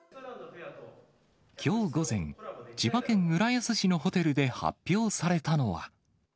きょう午前、千葉県浦安市のホテルで発表されたのは。